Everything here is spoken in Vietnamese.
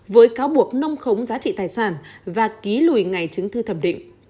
với cáo buộc nâng khống giá trị tài sản và ký lùi ngày chứng thư thẩm định